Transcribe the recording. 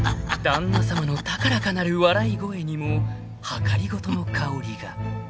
［旦那さまの高らかなる笑い声にもはかりごとの薫りが。